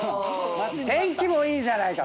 天気もいいじゃないか。